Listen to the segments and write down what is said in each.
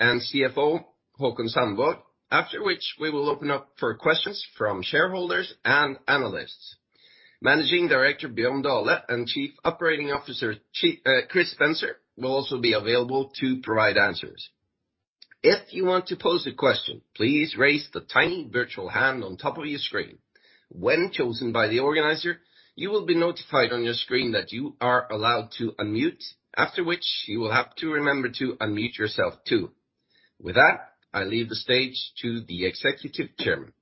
CFO Haakon Sandborg. After which we will open up for questions from shareholders and analysts. Managing Director Bjørn Dale and Chief Operating Officer Chris Spencer will also be available to provide answers. If you want to pose a question, please raise the tiny virtual hand on top of your screen. When chosen by the organizer, you will be notified on your screen that you are allowed to unmute, after which you will have to remember to unmute yourself too. With that, I leave the stage to the Executive Chairman.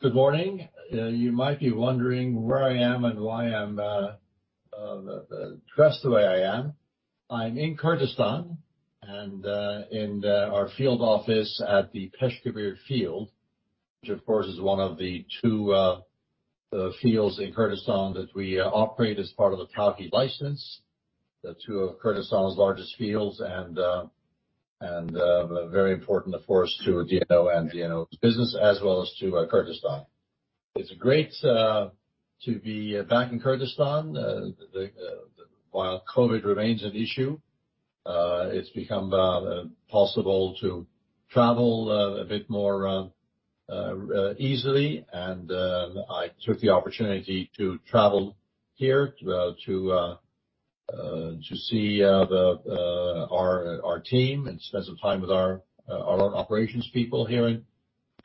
Good morning. You might be wondering where I am and why I'm dressed the way I am. I'm in Kurdistan and in our field office at the Peshkabir field, which of course is one of the two fields in Kurdistan that we operate as part of the Tawke license, the two of Kurdistan's largest fields and very important of course to DNO and DNO's business, as well as to Kurdistan. It's great to be back in Kurdistan. While COVID remains an issue, it's become possible to travel a bit more easily. I took the opportunity to travel here to see our team and spend some time with our operations people here in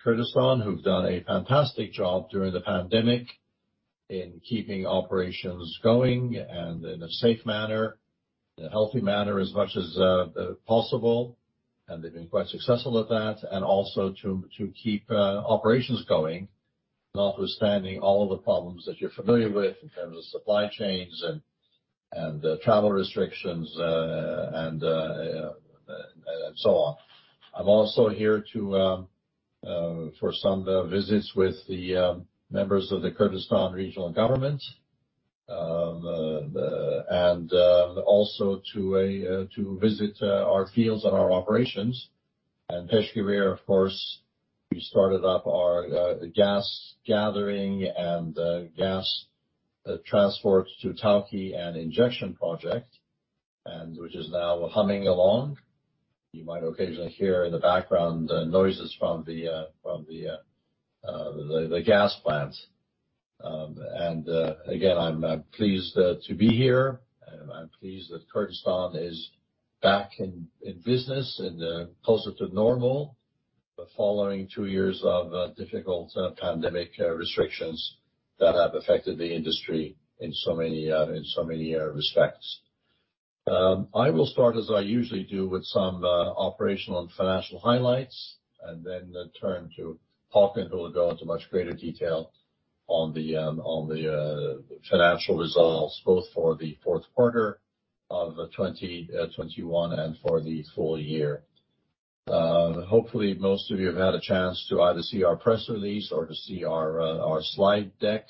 Kurdistan, who've done a fantastic job during the pandemic in keeping operations going and in a safe manner, in a healthy manner as much as possible, and they've been quite successful at that. Also to keep operations going, notwithstanding all of the problems that you're familiar with in terms of supply chains and travel restrictions and so on. I'm also here for some visits with the members of the Kurdistan Regional Government and also to visit our fields and our operations. Peshkabir, of course, we started up our gas gathering and gas transports to Tawke and injection project, which is now humming along. You might occasionally hear in the background noises from the gas plant. Again, I'm pleased to be here and I'm pleased that Kurdistan is back in business and closer to normal following two years of difficult pandemic restrictions that have affected the industry in so many respects. I will start, as I usually do, with some operational and financial highlights, and then turn to Håkon, who will go into much greater detail on the financial results, both for the Q4 of 2021 and for the full year. Hopefully, most of you have had a chance to either see our press release or to see our slide deck,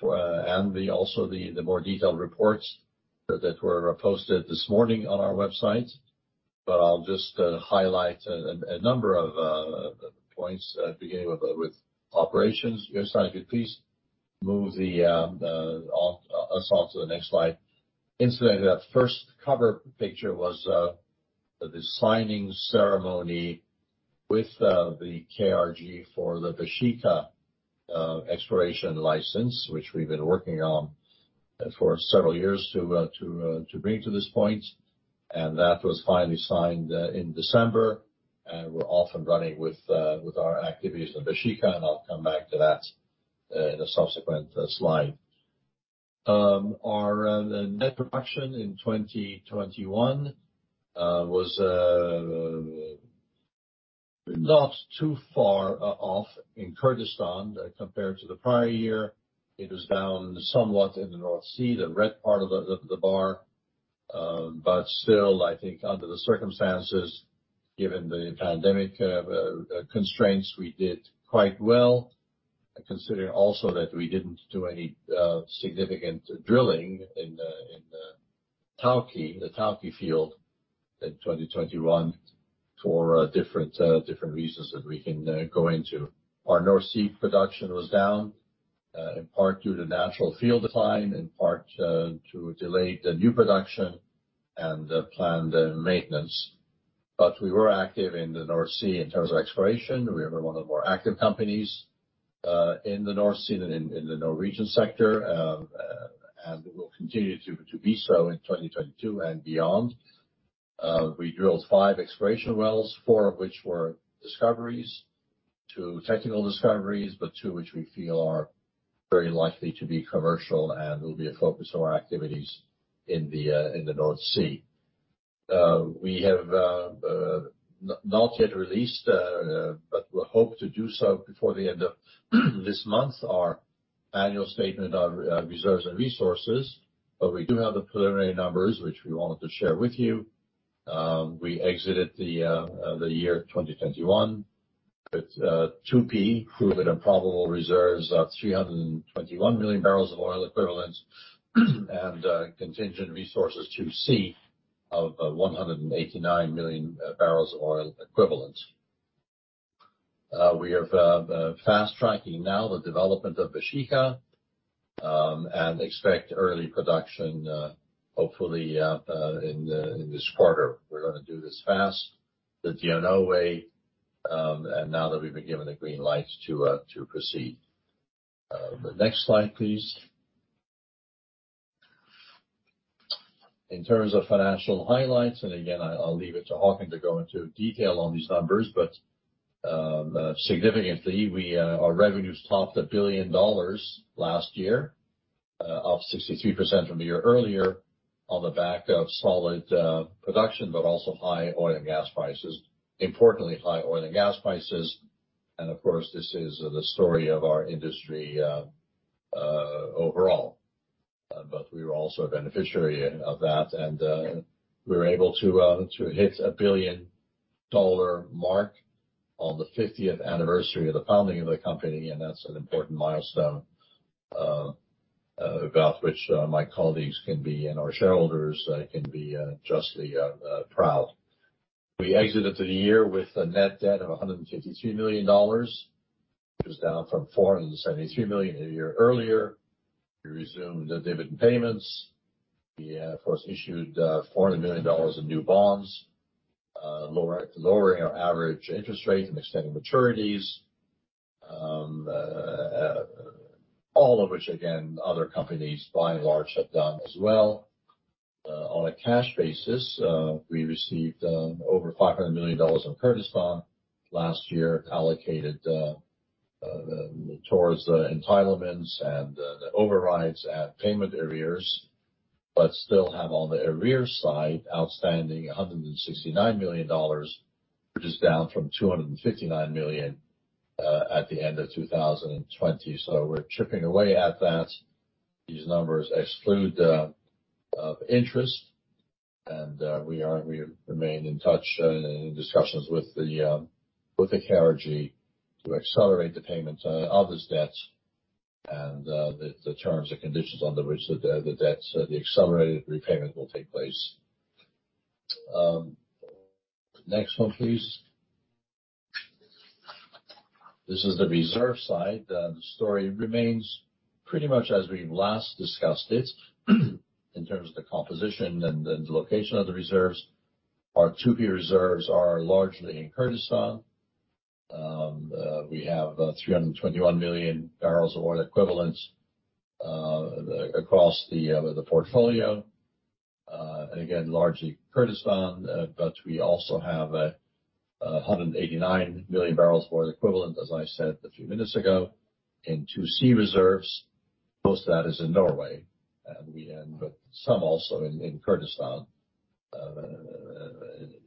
and also the more detailed reports that were posted this morning on our website. I'll just highlight a number of points at beginning with operations. Jostein Løvås, if you'd please move us on to the next slide. Incidentally, that first cover picture was the signing ceremony with the KRG for the Baeshiqa exploration license, which we've been working on for several years to bring to this point. That was finally signed in December, and we're off and running with our activities in Baeshiqa, and I'll come back to that in a subsequent slide. Our net production in 2021 was not too far off in Kurdistan compared to the prior year. It was down somewhat in the North Sea, the red part of the bar, but still, I think under the circumstances, given the pandemic constraints, we did quite well, considering also that we didn't do any significant drilling in the Tawke field in 2021 for different reasons that we can go into. Our North Sea production was down in part due to natural field decline, in part to delayed new production and planned maintenance. We were active in the North Sea in terms of exploration. We were one of the more active companies in the North Sea than in the Norwegian sector, and we will continue to be so in 2022 and beyond. We drilled five exploration wells, four of which were discoveries, two technical discoveries, but two which we feel are very likely to be commercial and will be a focus of our activities in the North Sea. We have not yet released, but we hope to do so before the end of this month, our annual statement on reserves and resources. We do have the preliminary numbers, which we wanted to share with you. We exited the year 2021 with 2P proven and probable reserves of 321 million barrels of oil equivalent and contingent resources 2C of 189 million barrels of oil equivalent. We are fast tracking now the development of Baeshiqa and expect early production hopefully in this quarter. We're gonna do this fast, the DNO way, and now that we've been given the green light to proceed. The next slide, please. In terms of financial highlights, and again, I'll leave it to Haakon to go into detail on these numbers. Significantly, our revenues topped $1 billion last year, up 63% from the year earlier on the back of solid production, but also high oil and gas prices. Importantly, high oil and gas prices, and of course, this is the story of our industry overall. But we were also a beneficiary of that, and we were able to hit a $1 billion mark on the 50th anniversary of the founding of the company, and that's an important milestone about which my colleagues can be, and our shareholders can be, justly proud. We exited the year with a net debt of $153 million, which is down from $473 million a year earlier. We resumed the dividend payments. We of course issued $400 million in new bonds, lowering our average interest rate and extending maturities, all of which, again, other companies by and large have done as well. On a cash basis, we received over $500 million in Kurdistan last year, allocated towards the entitlements and the overrides at payment arrears, but still have on the arrears side outstanding $169 million, which is down from $259 million at the end of 2020. We're chipping away at that. These numbers exclude interest, and we remain in touch in discussions with the KRG to accelerate the payments on this debt and the terms and conditions under which the debt, the accelerated repayment will take place. Next one, please. This is the reserve side. The story remains pretty much as we last discussed it in terms of the composition and then the location of the reserves. Our 2P reserves are largely in Kurdistan. We have 321 million barrels of oil equivalents across the portfolio. Again, largely Kurdistan, but we also have 189 million barrels of oil equivalent, as I said a few minutes ago, in 2C reserves. Most of that is in Norway, but some also in Kurdistan.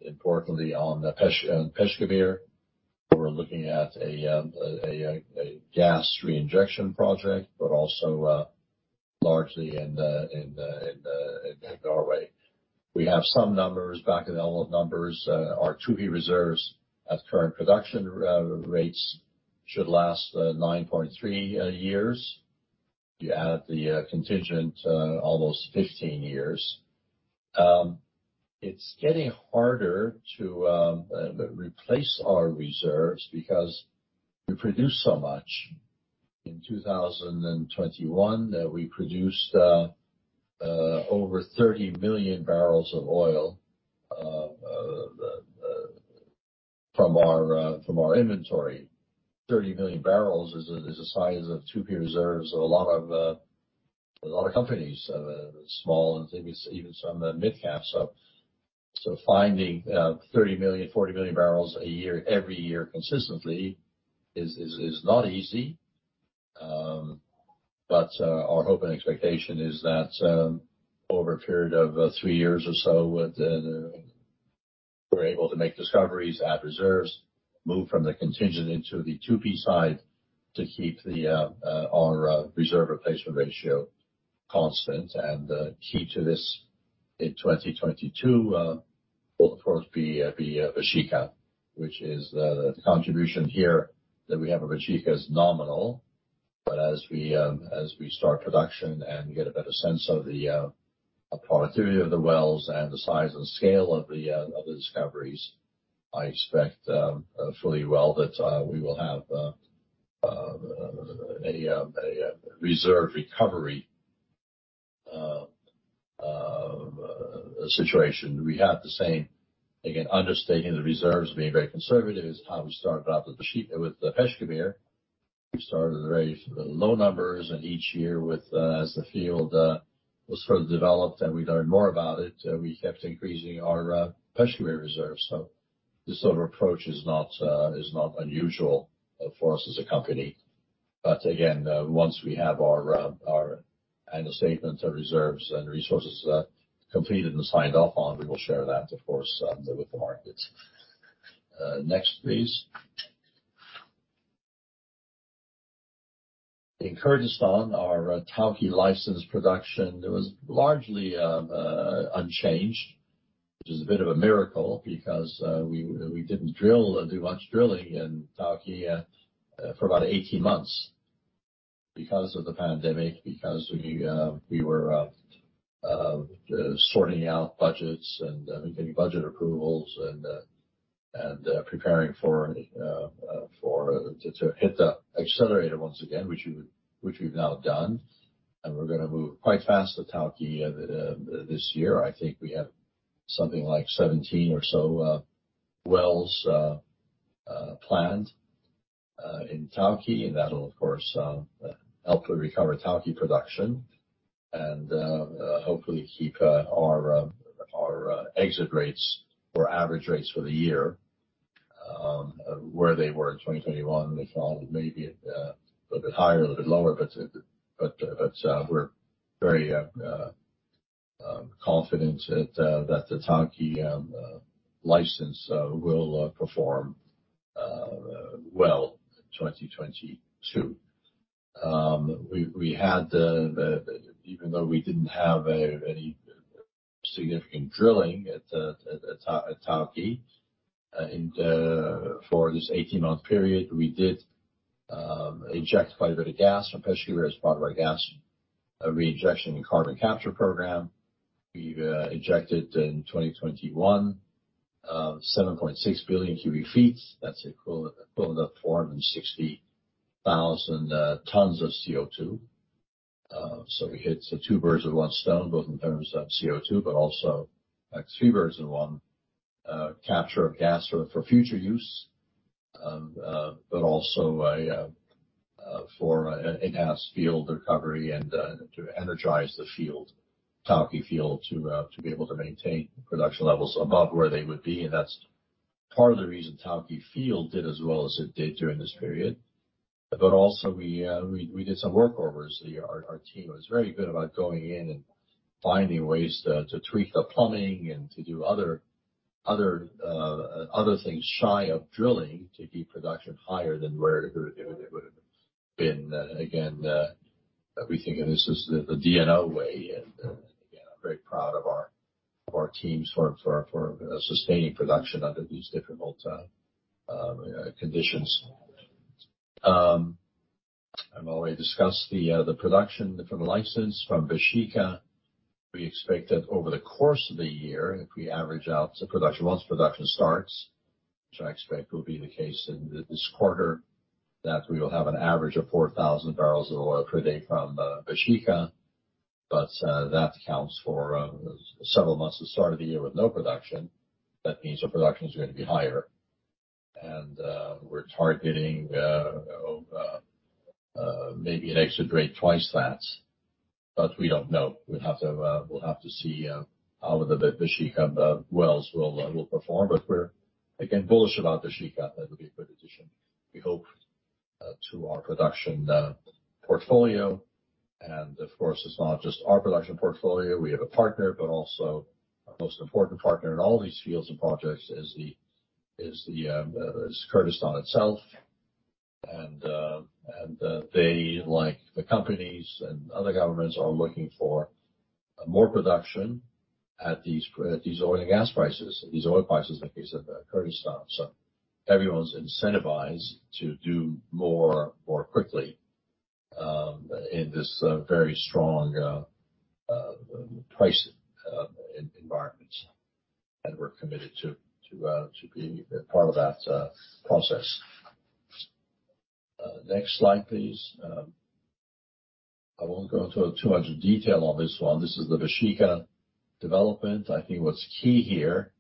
Importantly, on Peshkabir, we're looking at a gas reinjection project, but also largely in Norway. We have some numbers, back-of-the-envelope numbers. Our 2P reserves at current production rates should last 9.3 years. You add the contingent, almost 15 years. It's getting harder to replace our reserves because we produce so much. In 2021, we produced over 30 million barrels of oil from our inventory. 30 million barrels is a size of 2P reserves of a lot of companies, small and things, even some mid caps. Finding 30 million, 40 million barrels a year every year consistently is not easy. Our hope and expectation is that over a period of 3 years or so we're able to make discoveries, add reserves, move from the contingent into the 2P side to keep our reserve replacement ratio constant. The key to this in 2022 will of course be Baeshiqa, which, the contribution here that we have of Baeshiqa, is nominal, but as we start production and get a better sense of the productivity of the wells and the size and scale of the discoveries, I expect full well that we will have a reserve recovery situation. We had the same again understating the reserves, being very conservative, is how we started out with the Peshkabir. We started very low numbers, and each year, as the field was further developed and we learned more about it, we kept increasing our Peshkabir reserves. This sort of approach is not unusual for us as a company. Again, once we have our year-end statement of reserves and resources completed and signed off on, we will share that, of course, with the market. Next, please. In Kurdistan, our Tawke license production was largely unchanged, which is a bit of a miracle because we didn't do much drilling in Tawke for about 18 months. Because of the pandemic, we were sorting out budgets and getting budget approvals and preparing to hit the accelerator once again, which we've now done, and we're gonna move quite fast at Tawke this year. I think we have something like 17 or so wells planned in Tawke, and that'll, of course, help to recover Tawke production and hopefully keep our exit rates or average rates for the year where they were in 2021. We thought maybe a little bit higher, a little bit lower, but we're very confident that the Tawke license will perform well in 2022. Even though we didn't have any significant drilling at Tawke for this 18-month period, we did inject quite a bit of gas from Peshkabir as part of our gas reinjection and carbon capture program. We injected in 2021 7.6 billion cubic feet. That's equivalent of 460,000 tons of CO2. We hit two birds with one stone, both in terms of CO2, but also, like, three birds in one. Capture of gas for future use for enhanced field recovery and to energize the field, Tawke field, to be able to maintain production levels above where they would be, and that's part of the reason Tawke field did as well as it did during this period. We did some workovers. Our team was very good about going in and finding ways to tweak the plumbing and to do other things shy of drilling to keep production higher than where it would've been. Again, we think this is the DNO way. Again, I'm very proud of our teams for sustaining production under these difficult conditions. I've already discussed the production from the license from Baeshiqa. We expect that over the course of the year, if we average out the production, once production starts, which I expect will be the case in this quarter, that we will have an average of 4,000 barrels of oil per day from Baeshiqa. That accounts for several months at the start of the year with no production. That means the production is gonna be higher. We're targeting maybe an exit rate twice that, but we don't know. We'll have to see how the Baeshiqa wells will perform. We're again bullish about Baeshiqa. That will be a good addition. We hope to our production portfolio. Of course, it's not just our production portfolio. We have a partner, but also our most important partner in all these fields and projects is Kurdistan itself. They, like the companies and other governments, are looking for more production at these oil and gas prices, these oil prices in the case of Kurdistan. Everyone's incentivized to do more quickly in this very strong price environment. We're committed to being a part of that process. Next slide, please. I won't go into too much detail on this one. This is the Baeshiqa development. I think what's key here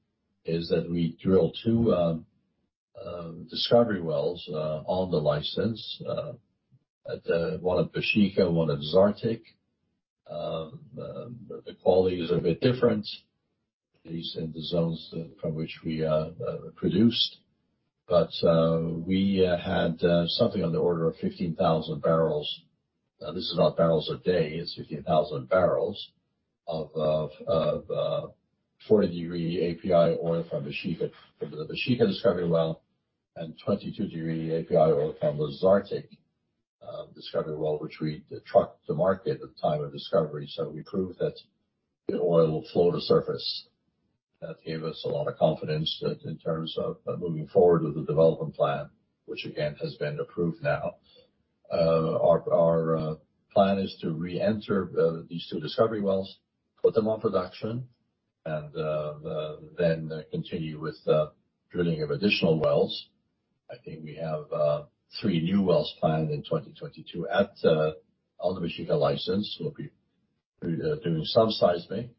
is that we drill two discovery wells on the license, one at Baeshiqa, one at Zartik. The quality is a bit different, at least in the zones from which we produced. We had something on the order of 15,000 barrels. Now, this is not barrels a day, it's 15,000 barrels of 40-degree API oil from Baeshiqa, from the Baeshiqa discovery well, and 22-degree API oil from the Zartik discovery well, which we trucked to market at the time of discovery. We proved that the oil will flow to surface. That gave us a lot of confidence in terms of moving forward with the development plan, which again, has been approved now. Our plan is to re-enter these two discovery wells, put them on production, and then continue with the drilling of additional wells. I think we have 3 new wells planned in 2022 on the Baeshiqa license. We'll be doing some seismic,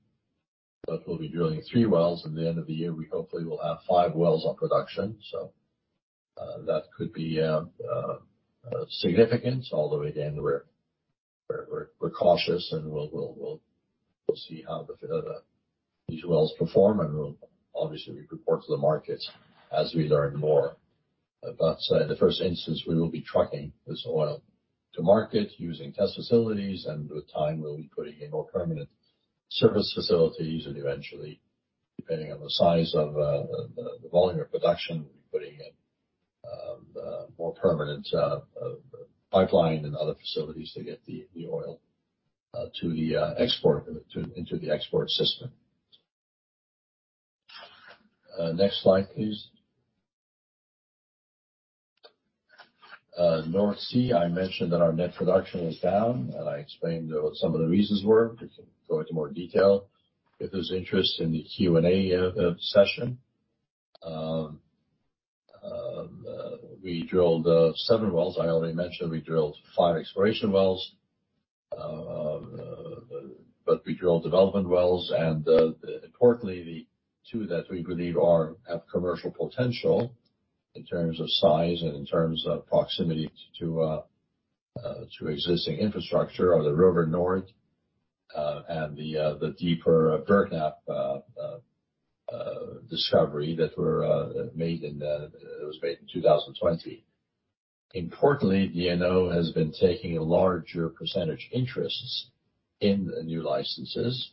but we'll be drilling 3 wells. In the end of the year, we hopefully will have 5 wells on production. That could be significant. Although again, we're cautious and we'll see how these wells perform, and we'll obviously report to the markets as we learn more. In the first instance, we will be trucking this oil to market using test facilities, and with time, we'll be putting in more permanent service facilities. Eventually, depending on the size of the volume of production, we'll be putting in more permanent pipeline and other facilities to get the oil to the export into the export system. Next slide, please. North Sea, I mentioned that our net production was down, and I explained what some of the reasons were. We can go into more detail if there's interest in the Q&A session. We drilled seven wells. I already mentioned we drilled five exploration wells. We drilled development wells and, importantly, the two that we believe have commercial potential in terms of size and in terms of proximity to existing infrastructure are the Røver Nord and the deeper Bergknapp discovery that was made in 2020. Importantly, DNO has been taking larger percentage interests in the new licenses.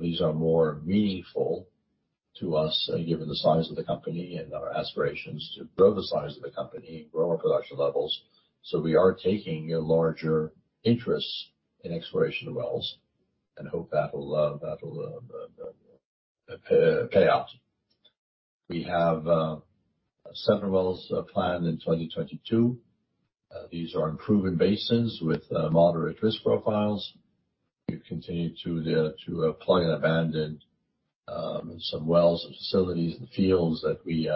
These are more meaningful to us, given the size of the company and our aspirations to grow the size of the company, grow our production levels. We are taking a larger interest in exploration wells and hope that'll pay out. We have several wells planned in 2022. These are in proven basins with moderate risk profiles. We've continued to plug and abandon some wells and facilities and fields that we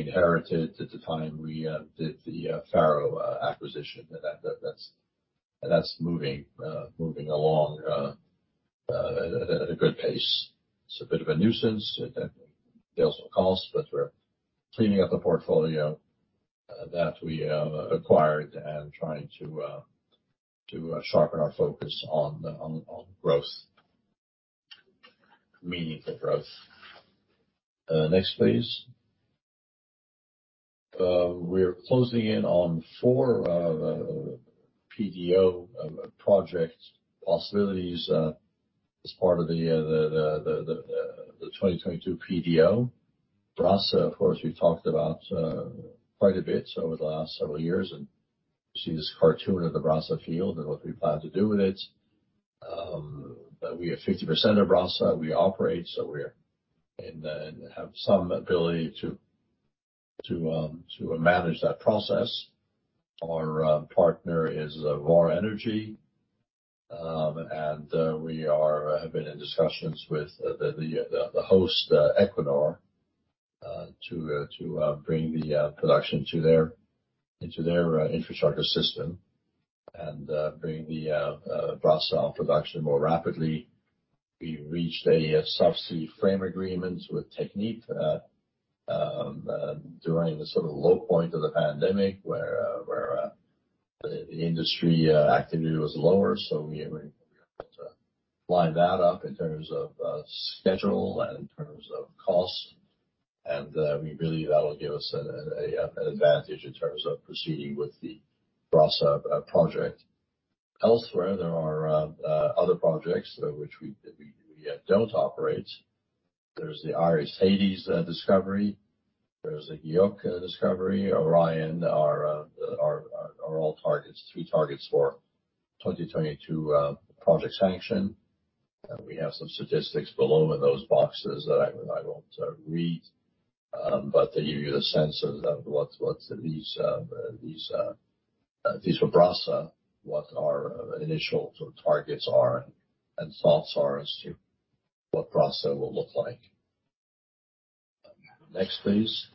inherited at the time we did the Faroe acquisition. That's moving along at a good pace. It's a bit of a nuisance. There are some costs, but we're cleaning up the portfolio that we acquired and trying to sharpen our focus on the growth. Meaningful growth. Next, please. We're closing in on four PDO projects possibilities as part of the 2022 PDO. Brasa, of course, we've talked about quite a bit over the last several years, and you see this cartoon of the Brasa field and what we plan to do with it. We have 50% of Brasa we operate, so we have some ability to manage that process. Our partner is Vår Energi. We have been in discussions with the host, Equinor, to bring the production into their infrastructure system and bring the Brasa production more rapidly. We reached a subsea frame agreement with TechnipFMC during the sort of low point of the pandemic where the industry activity was lower. We were able to line that up in terms of schedule and in terms of cost. We believe that'll give us an advantage in terms of proceeding with the Brasa project. Elsewhere, there are other projects which we don't operate. There's the Iris/Hades discovery. There's the Gjøa discovery. Orion are all targets, three targets for 2022 project sanction. We have some statistics below in those boxes that I won't read, but they give you a sense of what's these were Brasa, what our initial targets are and thoughts are as to what Brasa will look like. Next, please.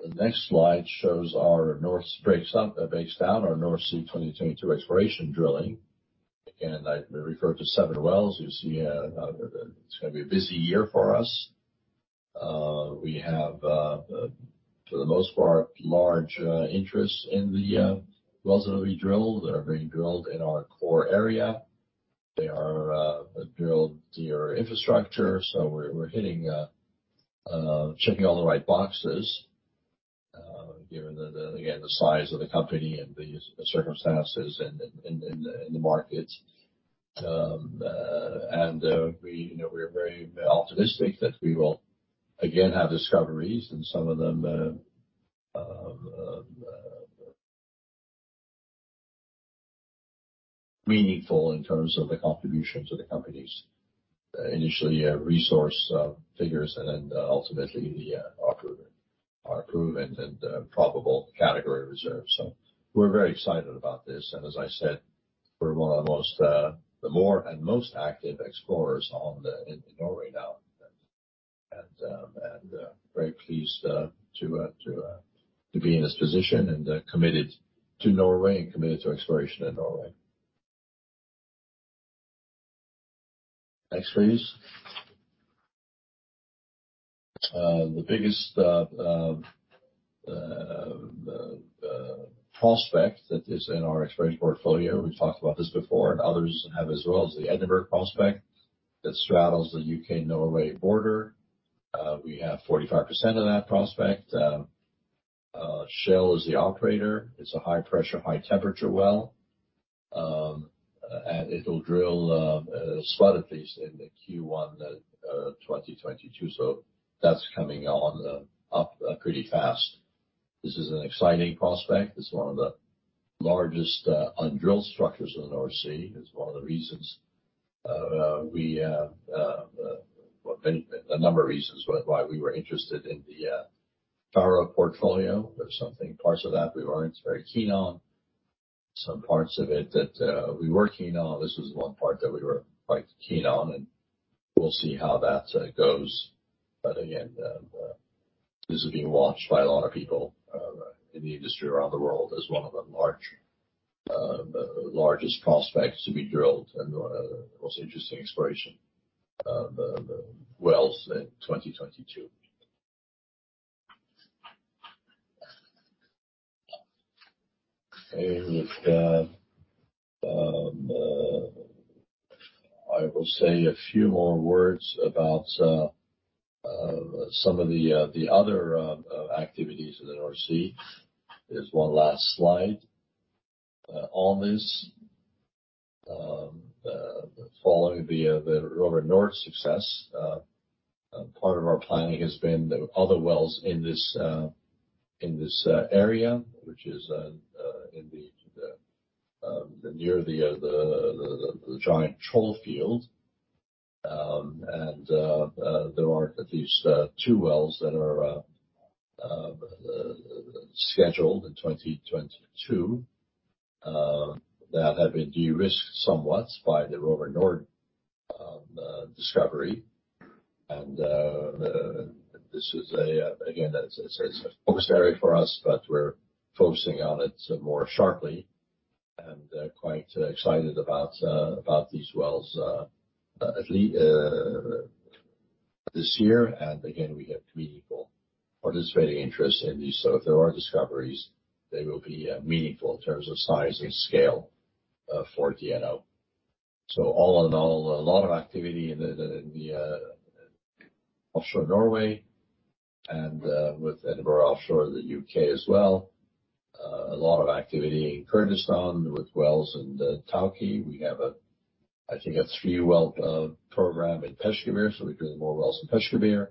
The next slide shows our North Sea 2022 exploration drilling. I referred to seven wells. You see, it's gonna be a busy year for us. We have, for the most part, large interests in the wells that will be drilled, that are being drilled in our core area. They are drilled near infrastructure. We're hitting, checking all the right boxes, given, again, the size of the company and the circumstances in the markets. We, you know, we're very optimistic that we will again have discoveries and some of them meaningful in terms of the contributions of the companies. Initially resource figures and then ultimately the approved and probable category reserves. We're very excited about this. As I said, we're one of the most, the more and most active explorers in Norway now. Very pleased to be in this position and committed to Norway and committed to exploration in Norway. Next, please. The biggest prospect that is in our exploration portfolio, we've talked about this before and others have as well, is the Edinburgh prospect that straddles the U.K.-Norway border. We have 45% of that prospect. Shell is the operator. It's a high-pressure, high-temperature well, and it'll drill a spot at least in the Q1 2022. So that's coming on up pretty fast. This is an exciting prospect. It's one of the largest undrilled structures in the North Sea. It's one of the reasons, well, a number of reasons why we were interested in the Faroe portfolio. There's something, parts of that we weren't very keen on, some parts of it that we were keen on. This was one part that we were quite keen on, and we'll see how that goes. Again, this is being watched by a lot of people in the industry around the world as one of the largest prospects to be drilled and one of the most interesting exploration wells in 2022. I will say a few more words about some of the other activities in the North Sea. There's one last slide on this. Following the Røver Nord success, part of our planning has been other wells in this area, which is near the giant Troll field. There are at least two wells that are scheduled in 2022 that have been de-risked somewhat by the Røver Nord discovery. This is again a focus area for us, but we're focusing on it more sharply and quite excited about these wells this year. Again, we have meaningful participating interest in these. If there are discoveries, they will be meaningful in terms of size and scale for DNO. All in all, a lot of activity in the offshore Norway and with Edinburgh offshore in the UK as well. A lot of activity in Kurdistan with wells in Tawke. We have, I think, a 3-well program in Peshkabir, so we drill more wells in Peshkabir.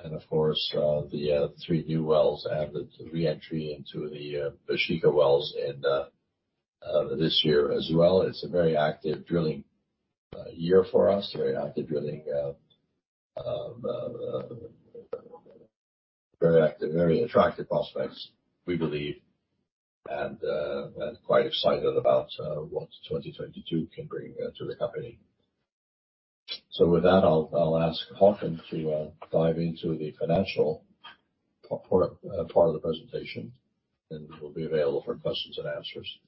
Of course, the 3 new wells and the re-entry into the Baeshiqa wells in this year as well. It's a very active drilling year for us, very attractive prospects, we believe, and quite excited about what 2022 can bring to the company. With that, I'll ask Haakon to dive into the financial part of the presentation, and we'll be available for questions and answers.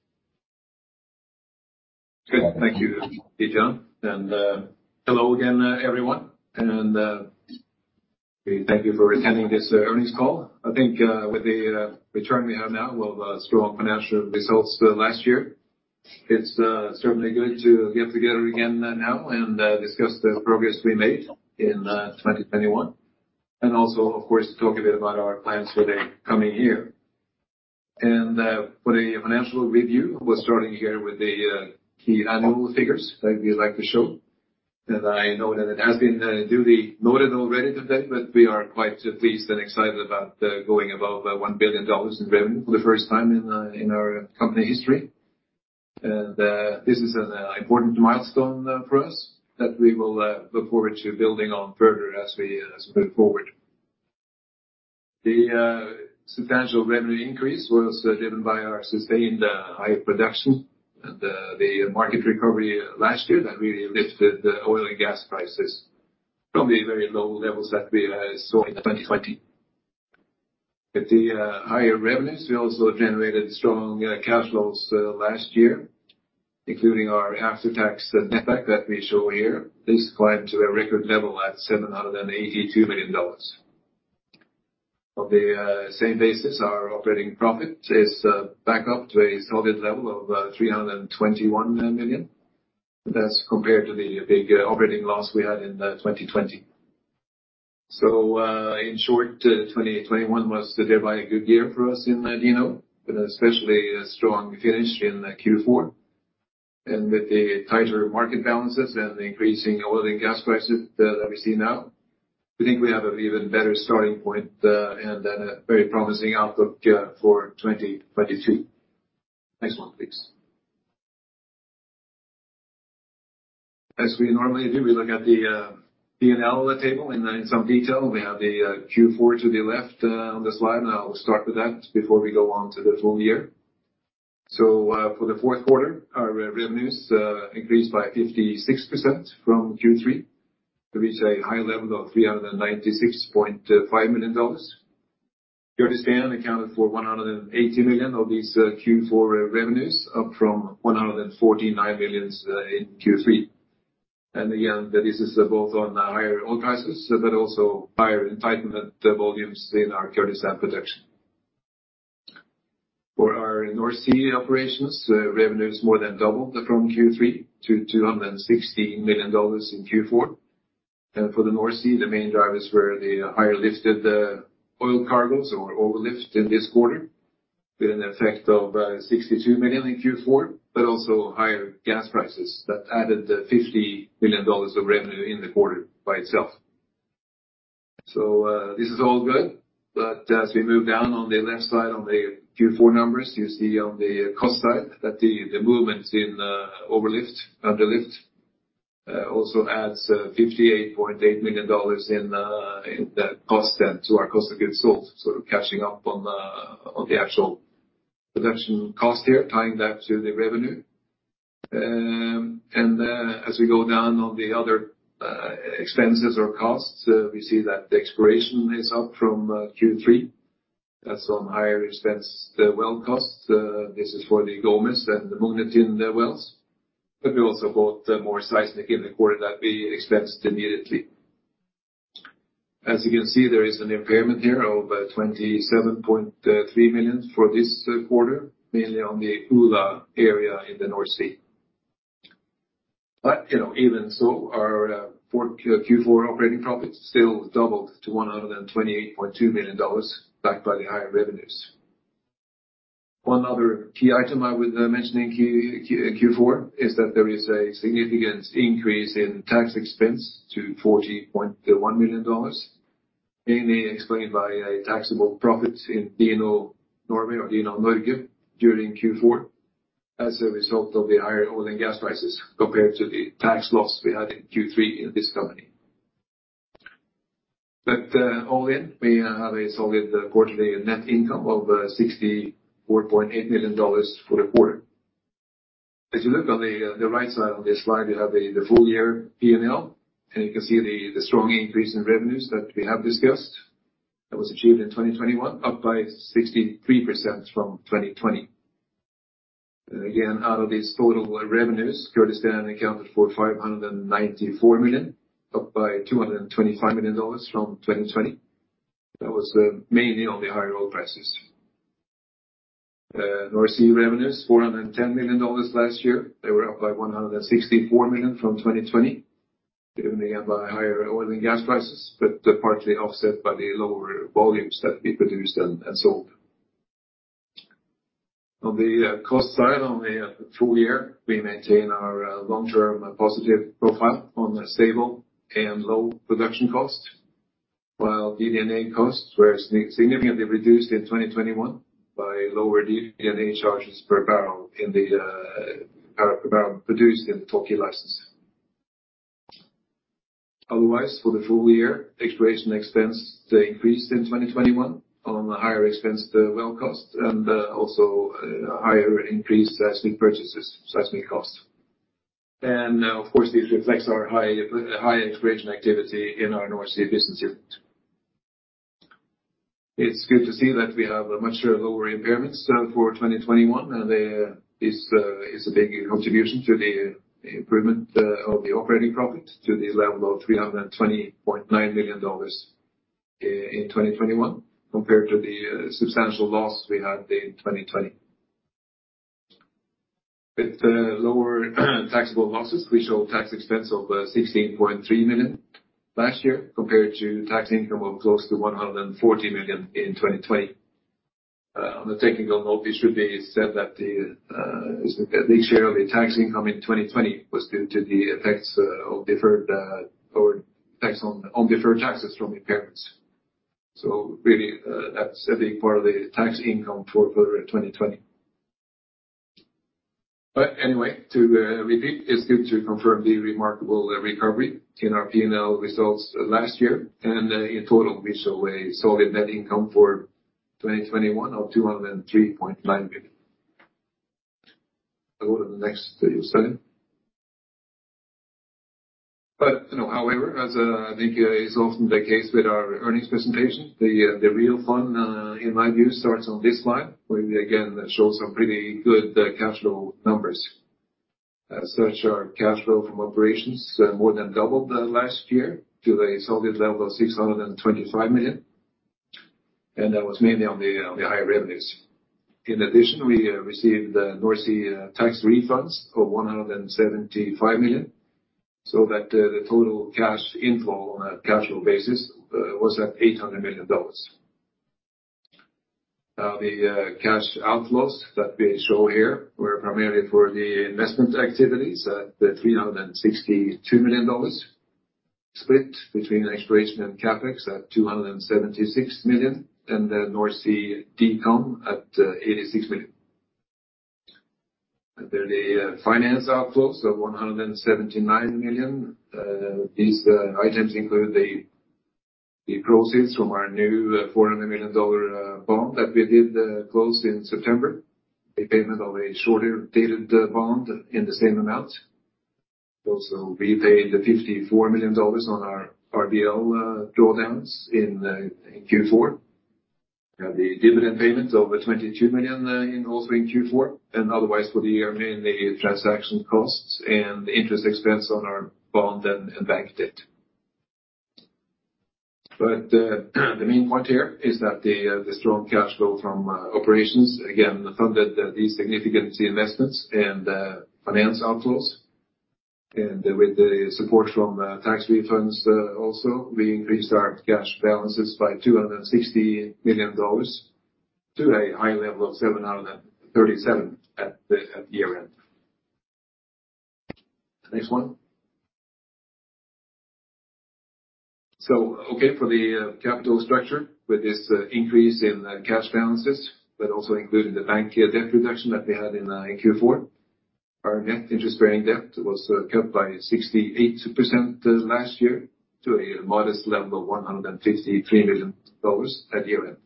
Good. Thank you, Bijan. Hello again, everyone. We thank you for attending this earnings call. I think, with the return we have now of strong financial results last year, it's certainly good to get together again now and discuss the progress we made in 2021, and also, of course, talk a bit about our plans for the coming year. For the financial review, we're starting here with the key annual figures that we'd like to show. I know that it has been duly noted already today, but we are quite pleased and excited about going above $1 billion in revenue for the first time in our company history. This is an important milestone for us that we will look forward to building on further as we move forward. The substantial revenue increase was driven by our sustained high production and the market recovery last year that really lifted the oil and gas prices from the very low levels that we saw in 2020. With the higher revenues, we also generated strong cash flows last year, including our after-tax net back that we show here. This climbed to a record level at $782 million. On the same basis, our operating profit is back up to a solid level of $321 million. That's compared to the big operating loss we had in 2020. In short, 2021 was certainly a good year for us in DNO, with an especially strong finish in Q4. With the tighter market balances and increasing oil and gas prices that we see now, we think we have an even better starting point, and then a very promising outlook, for 2022. Next one, please. As we normally do, we look at the P&L table in some detail. We have the Q4 to the left, on the slide, and I will start with that before we go on to the full year. For the Q4, our revenues increased by 56% from Q3 to reach a high level of $396.5 million. Kurdistan accounted for $180 million of these Q4 revenues, up from $149 million in Q3. Again, this is both on higher oil prices, but also higher entitlement volumes in our Kurdistan production. For our North Sea operations, revenues more than doubled from Q3 to $216 million in Q4. For the North Sea, the main drivers were the higher lifted oil cargoes or overlift in this quarter, with an effect of $62 million in Q4, but also higher gas prices that added $50 million of revenue in the quarter by itself. This is all good, but as we move down on the left side on the Q4 numbers, you see on the cost side that the movements in overlift, underlift also adds $58.8 million in the cost then to our cost of goods sold, sort of catching up on the actual production cost here, tying that to the revenue. As we go down on the other expenses or costs, we see that the exploration is up from Q3. That's on higher expense well costs. This is for the Gomez and the Munin wells. But we also bought more seismic in the quarter that we expensed immediately. As you can see, there is an impairment here of $27.3 million for this quarter, mainly on the Ula area in the North Sea. You know, even so, our Q4 operating profits still doubled to $128.2 million, backed by the higher revenues. One other key item I would mention in Q4 is that there is a significant increase in tax expense to $40.1 million, mainly explained by a taxable profit in DNO Norway or DNO Norge during Q4 as a result of the higher oil and gas prices compared to the tax loss we had in Q3 in this company. All in, we have a solid quarterly net income of $64.8 million for the quarter. If you look on the right side on this slide, you have the full year P&L, and you can see the strong increase in revenues that we have discussed. That was achieved in 2021, up by 63% from 2020. Again, out of these total revenues, Kurdistan accounted for $594 million, up by $225 million from 2020. That was mainly on the higher oil prices. North Sea revenues, $410 million last year. They were up by $164 million from 2020, driven again by higher oil and gas prices, but partly offset by the lower volumes that we produced and sold. On the cost side, on the full year, we maintain our long-term positive profile on a stable and low production cost. While DD&A costs were significantly reduced in 2021 by lower DD&A charges per barrel produced in the Tawke license. Otherwise, for the full year, exploration expense increased in 2021 on higher exploration well costs and also higher increased seismic purchases, seismic costs. Of course, this reflects our high exploration activity in our North Sea businesses. It's good to see that we have much lower impairments for 2021, and this is a big contribution to the improvement of the operating profit to the level of $320.9 million in 2021 compared to the substantial loss we had in 2020. With lower taxable losses, we show tax expense of $16.3 million last year compared to tax income of close to $140 million in 2020. On a technical note, it should be said that a big share of the tax income in 2020 was due to the effects of deferred tax on deferred taxes from impairments. Really, that's a big part of the tax income for 2020. Anyway, to repeat, it's good to confirm the remarkable recovery in our P&L results last year and in total we show a solid net income for 2021 of $203.9 million. Go to the next slide. You know, however, as I think is often the case with our earnings presentation, the real fun in my view starts on this slide, where we again show some pretty good cash flow numbers. As such, our cash flow from operations more than doubled last year to a solid level of $625 million, and that was mainly on the higher revenues. In addition, we received North Sea tax refunds of $175 million, so that the total cash inflow on a cash flow basis was at $800 million. The cash outflows that we show here were primarily for the investment activities at $362 million, split between exploration and CapEx at $276 million, and the North Sea decon at $86 million. Under the finance outflows of $179 million, these items include the proceeds from our new $400 million bond that we did close in September, a payment of a shorter-dated bond in the same amount. Also, we paid $54 million on our RBL drawdowns in Q4. We had the dividend payment of $22 million also in Q4, and otherwise for the year, mainly transaction costs and interest expense on our bond and bank debt. The main point here is that the strong cash flow from operations, again, funded these significant investments and finance outflows. With the support from tax refunds, also, we increased our cash balances by $260 million to a high level of $737 million at the year end. Next one. Okay, for the capital structure with this increase in cash balances, but also including the bank debt reduction that we had in Q4. Our net interest-bearing debt was cut by 68% last year to a modest level of $153 million at year-end.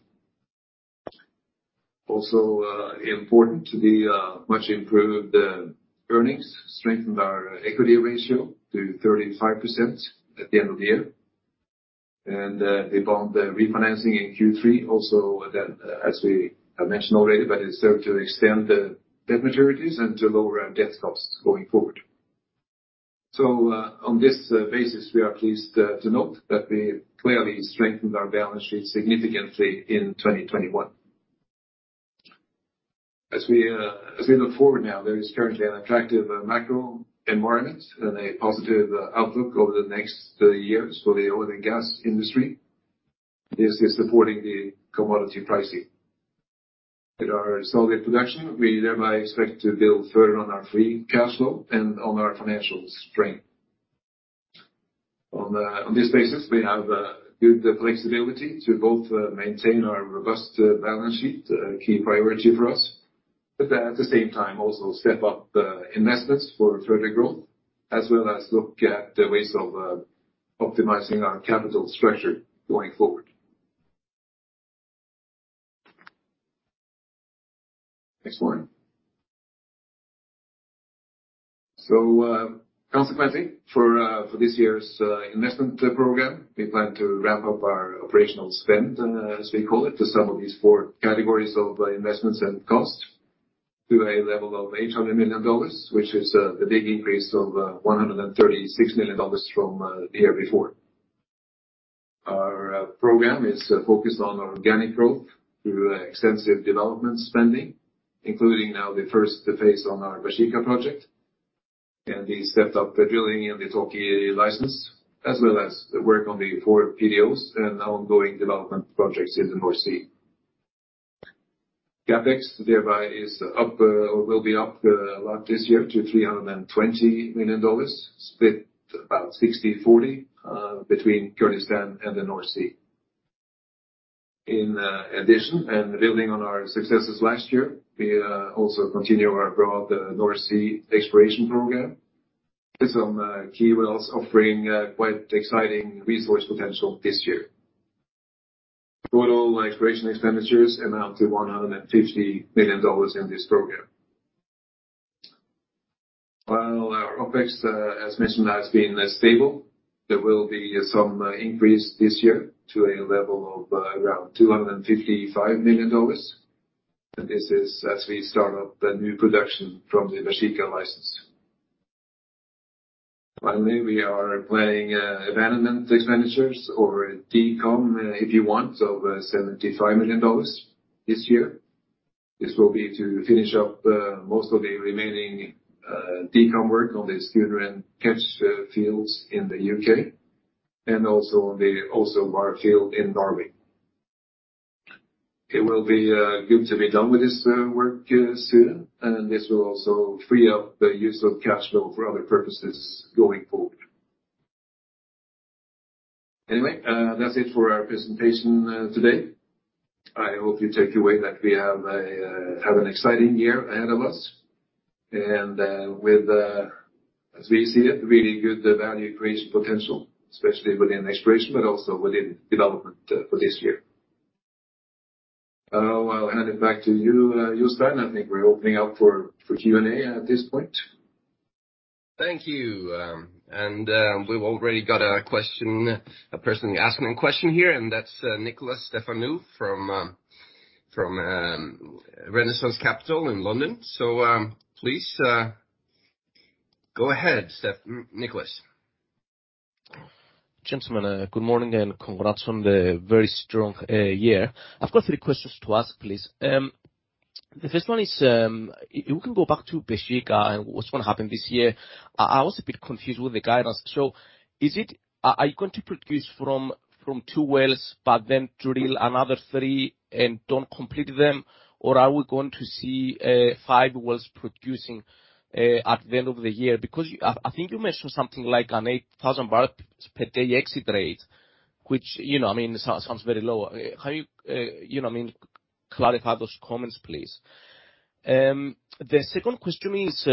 Also, important to the much improved earnings strengthened our equity ratio to 35% at the end of the year. The bond refinancing in Q3 also then, as we have mentioned already, but it served to extend the debt maturities and to lower our debt costs going forward. On this basis, we are pleased to note that we clearly strengthened our balance sheet significantly in 2021. As we look forward now, there is currently an attractive macro environment and a positive outlook over the next years for the oil and gas industry. This is supporting the commodity pricing. With our solid production, we thereby expect to build further on our free cash flow and on our financial strength. On this basis, we have good flexibility to both maintain our robust balance sheet, a key priority for us, but at the same time also step up investments for further growth, as well as look at ways of optimizing our capital structure going forward. Next one. Consequently for this year's investment program, we plan to ramp up our operational spend as we call it, the sum of these four categories of investments and costs to a level of $800 million, which is a big increase of $136 million from the year before. Our program is focused on organic growth through extensive development spending, including now the first phase on our Baeshiqa project, and we stepped up the drilling in the Tawke license, as well as work on the four PDOs and ongoing development projects in the North Sea. CapEx thereby is up or will be up a lot this year to $320 million, split about 60/40 between Kurdistan and the North Sea. In addition and building on our successes last year, we also continue our broad North Sea exploration program with some key wells offering quite exciting resource potential this year. Total exploration expenditures amount to $150 million in this program. While our OpEx, as mentioned, has been stable, there will be some increase this year to a level of around $255 million. This is as we start up the new production from the Baeshiqa license. Finally, we are planning abandonment expenditures or decom, if you want, of $75 million this year. This will be to finish up most of the remaining decom work on the Schooner and Ketch fields in the U.K., and also on the Oseberg field in Norway. It will be good to be done with this work soon. This will also free up the use of cash flow for other purposes going forward. Anyway, that's it for our presentation today. I hope you take away that we have an exciting year ahead of us. As we see it, really good value creation potential, especially within exploration, but also within development, for this year. I'll hand it back to you, Jostein. I think we're opening up for Q&A at this point. Thank you. We've already got a question, a person asking a question here, and that's Nikolas Stefanou from Renaissance Capital in London. Please go ahead, Nikolas. Gentlemen, good morning and congrats on the very strong year. I've got three questions to ask, please. The first one is, if we can go back to Baeshiqa and what's gonna happen this year. I was a bit confused with the guidance. Is it? Are you going to produce from two wells but then drill another three and don't complete them? Or are we going to see five wells producing at the end of the year? Because I think you mentioned something like an 8,000 barrels per day exit rate, which, you know, I mean, sounds very low. How you know what I mean, clarify those comments, please. The second question is,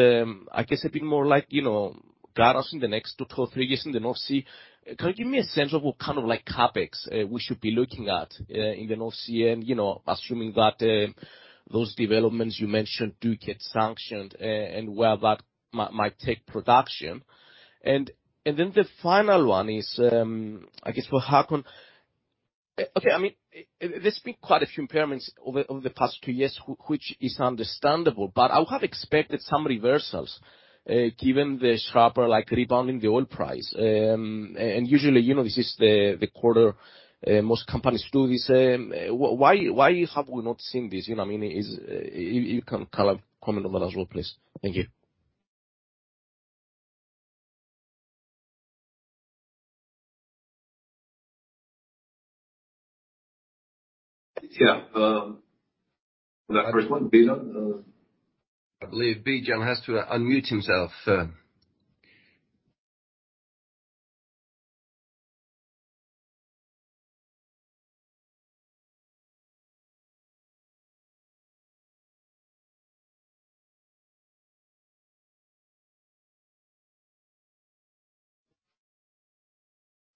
I guess a bit more like, you know, guidance in the next two to three years in the North Sea. Can you give me a sense of what kind of, like, CapEx we should be looking at in the North Sea? You know, assuming that those developments you mentioned do get sanctioned and where that might take production. Then the final one is, I guess for Håkon. Okay, I mean, there's been quite a few impairments over the past two years, which is understandable, but I would have expected some reversals given the sharper, like, rebound in the oil price. Usually, you know, this is the quarter most companies do this. Why have we not seen this? You know what I mean? If you can kind of comment on that as well, please. Thank you. Yeah. The first one, Bijan. I believe Bijan has to unmute himself.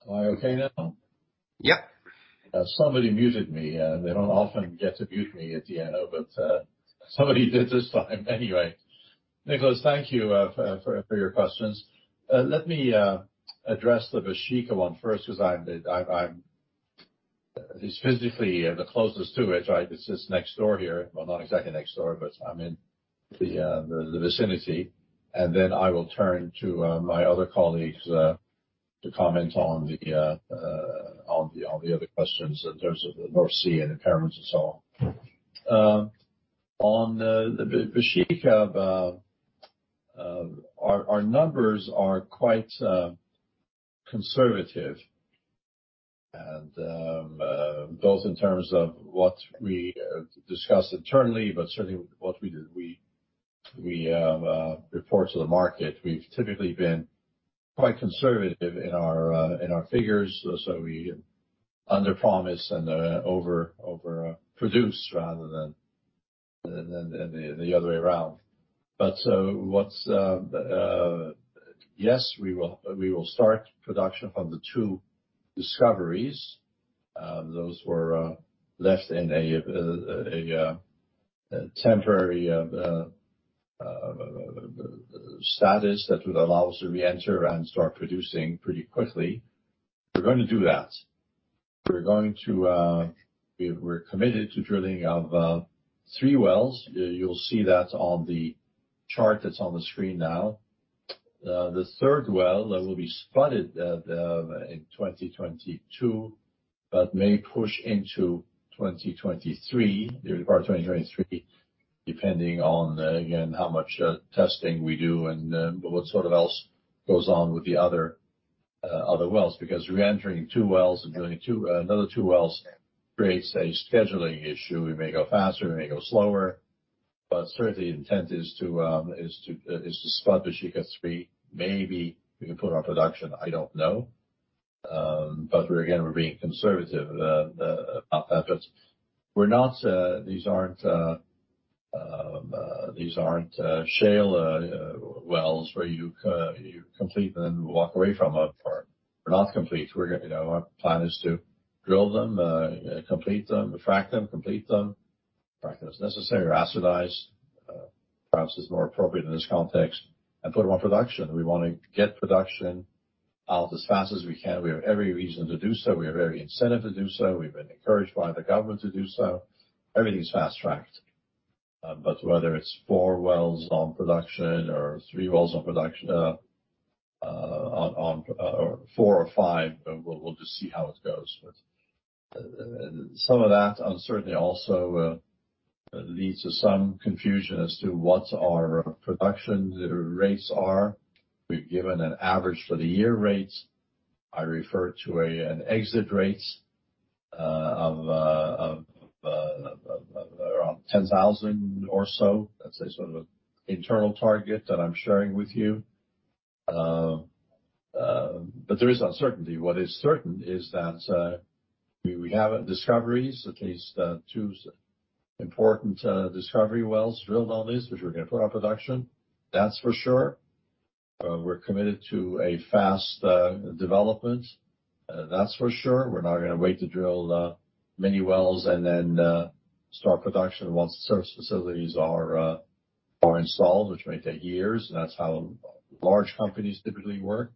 Am I okay now? Yeah. Somebody muted me. They don't often get to mute me at DNO, but somebody did this time. Anyway, Nicholas, thank you for your questions. Let me address the Baeshiqa one first because it's physically the closest to it, right? It's just next door here. Well, not exactly next door, but I'm in the vicinity. Then I will turn to my other colleagues to comment on the other questions in terms of the North Sea and impairments and so on. On the Baeshiqa, our numbers are quite conservative. Both in terms of what we discuss internally, but certainly what we report to the market. We've typically been quite conservative in our figures. We underpromise and overproduce rather than the other way around. Yes, we will start production from the two discoveries. Those were left in a temporary status that would allow us to reenter and start producing pretty quickly. We're gonna do that. We're committed to drilling three wells. You'll see that on the chart that's on the screen now. The third well will be spudded in 2022, but may push into 2023, the part of 2023, depending on, again, how much testing we do and what sort of else goes on with the other wells. Because reentering two wells and drilling two, another two wells creates a scheduling issue. We may go faster, we may go slower. Certainly the intent is to spud Baeshiqa-3. Maybe we can put on production, I don't know. We're being conservative about that. We're not these aren't shale wells where you complete and then walk away from them or not complete. We're gonna, you know, our plan is to drill them, complete them, frack them, complete them. Frack them as necessary, or acidize, perhaps is more appropriate in this context, and put them on production. We wanna get production out as fast as we can. We have every reason to do so. We have every incentive to do so. We've been encouraged by the government to do so. Everything's fast-tracked. Whether it's 4 wells on production or 3 wells on production, 4 or 5, we'll just see how it goes. Some of that uncertainty also leads to some confusion as to what our production rates are. We've given an average for the year rates. I refer to an exit rates of around 10,000 or so. That's a sort of internal target that I'm sharing with you. There is uncertainty. What is certain is that we have discoveries, at least two important discovery wells drilled on this, which we're gonna put on production. That's for sure. We're committed to a fast development, that's for sure. We're not gonna wait to drill many wells and then start production once the service facilities are installed, which may take years. That's how large companies typically work.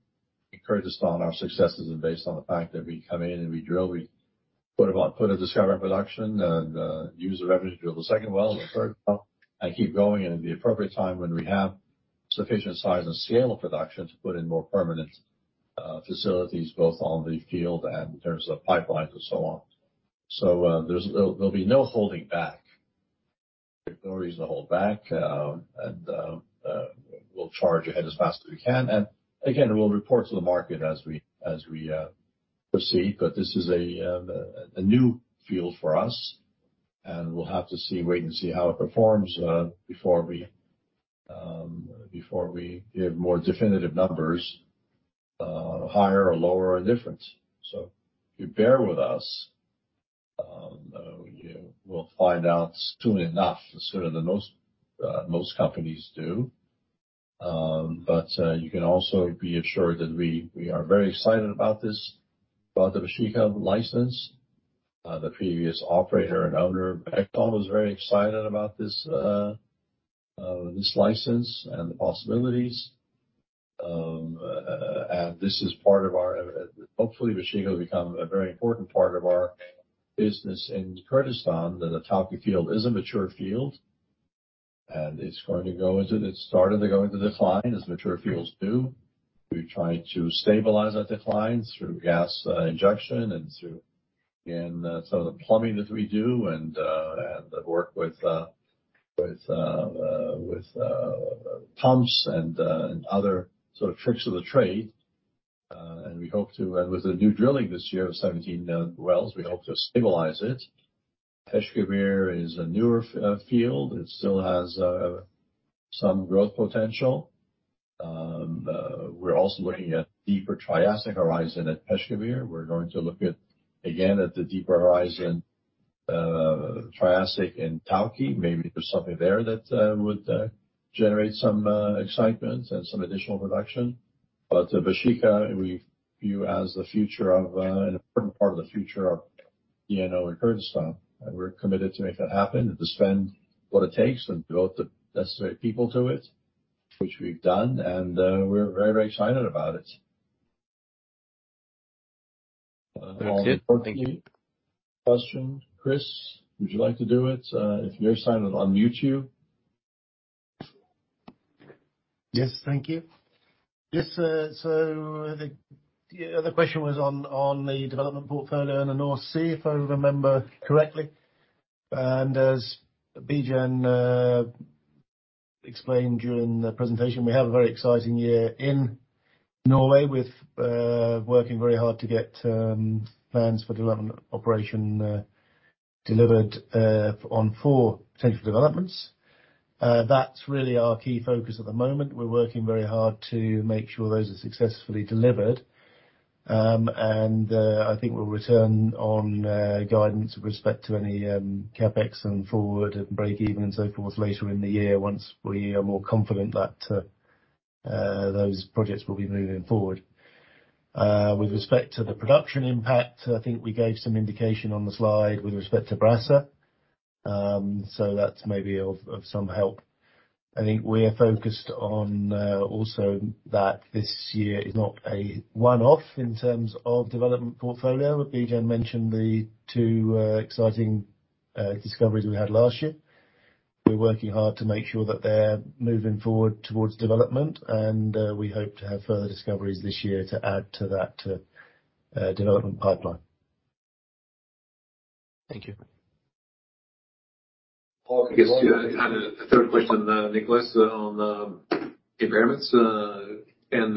In Kurdistan, our success isn't based on the fact that we come in and we drill. We put a discovery in production and use the revenue to drill the second well and the third well and keep going. In the appropriate time, when we have sufficient size and scale of production to put in more permanent facilities, both on the field and in terms of pipelines and so on. There'll be no holding back. There's no reason to hold back. We'll charge ahead as fast as we can. Again, we'll report to the market as we proceed. This is a new field for us, and we'll have to wait and see how it performs before we give more definitive numbers, higher or lower or different. If you bear with us, you will find out soon enough, sooner than most companies do. You can also be assured that we are very excited about this, about the Baeshiqa license. The previous operator and owner, Ekton, was very excited about this license and the possibilities. This is part of our business in Kurdistan. Hopefully Baeshiqa will become a very important part of our business in Kurdistan. The Tawke field is a mature field, and it's started to go into decline, as mature fields do. We've tried to stabilize that decline through gas injection and through, again, some of the plumbing that we do and the work with With pumps and other sort of tricks of the trade. With the new drilling this year of 17 wells, we hope to stabilize it. Peshkabir is a newer field. It still has some growth potential. We're also looking at deeper Triassic horizon at Peshkabir. We're going to look at the deeper horizon, Triassic in Tawke. Maybe there's something there that would generate some excitement and some additional production. Baeshiqa, we view as the future of an important part of the future of DNO in Kurdistan. We're committed to make that happen and to spend what it takes and build the necessary pipeline to it, which we've done. We're very excited about it. That's it. Thank you. Question. Chris, would you like to do it? If you're silent, I'll unmute you. Yes, thank you. Yes, the question was on the development portfolio in the North Sea, if I remember correctly. As Bijan explained during the presentation, we have a very exciting year in Norway with working very hard to get plans for development and operation delivered on four potential developments. That's really our key focus at the moment. We're working very hard to make sure those are successfully delivered. I think we'll return to guidance with respect to any CapEx and forward and breakeven, and so forth later in the year once we are more confident that those projects will be moving forward. With respect to the production impact, I think we gave some indication on the slide with respect to Brasa. That's maybe of some help. I think we are focused on also that this year is not a one-off in terms of development portfolio. Bijan mentioned the two exciting discoveries we had last year. We're working hard to make sure that they're moving forward towards development, and we hope to have further discoveries this year to add to that development pipeline. Thank you. I guess, yeah, I had a third question, Nicholas, on impairments, and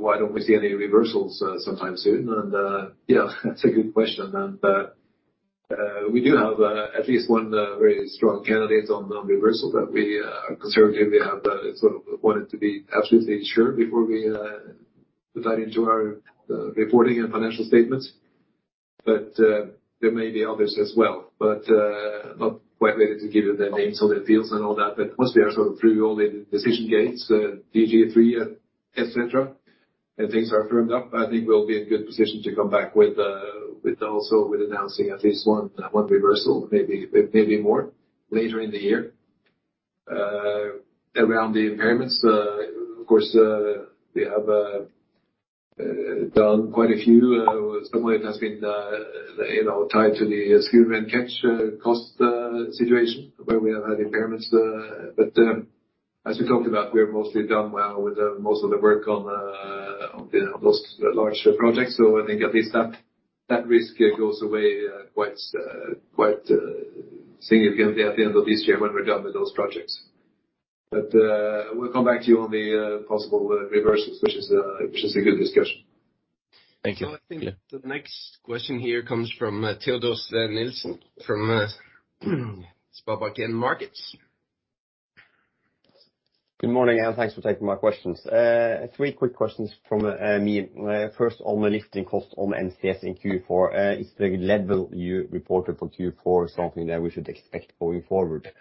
why don't we see any reversals sometime soon. Yeah, that's a good question. We do have at least one very strong candidate on the reversal that we have conservatively sort of wanted to be absolutely sure before we put that into our reporting and financial statements. But there may be others as well, but not quite ready to give you their names or their fields and all that. Once we are sort of through all the decision gates, DG3, et cetera, and things are firmed up, I think we'll be in good position to come back with also announcing at least one reversal, maybe more later in the year. Around the impairments, of course, we have done quite a few. Some of it has been, you know, tied to the Schooner and Ketch cost situation where we have had impairments. As we talked about, we're mostly done well with the most of the work on those large projects. I think at least that risk goes away quite significantly at the end of this year when we're done with those projects. We'll come back to you on the possible reversals, which is a good discussion. Thank you. I think the next question here comes from Teodor Sveen-Nilsen from SpareBank 1 Markets. Good morning, and thanks for taking my questions. Three quick questions from me. First, on the lifting cost on NCS in Q4, is the level you reported for Q4 something that we should expect going forward?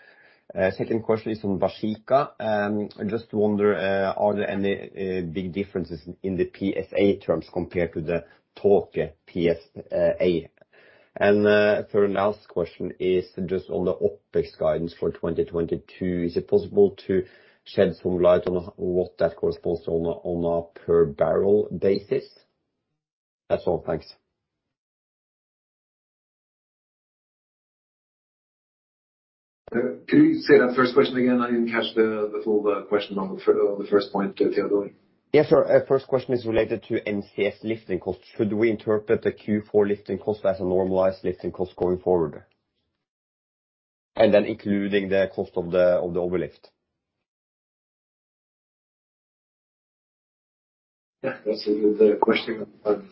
Second question is on Baeshiqa. I just wonder, are there any big differences in the PSA terms compared to the Tawke PSA? Third and last question is just on the OpEx guidance for 2022, is it possible to shed some light on what that corresponds on a per barrel basis? That's all. Thanks. Could you say that first question again? I didn't catch the full question on the first point, Teodor. Yes, sure. First question is related to NCS lifting costs. Should we interpret the Q4 lifting cost as a normalized lifting cost going forward, including the cost of the overlift? Yeah, that's a good question on